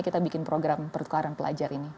kita bikin program pertukaran pelajar ini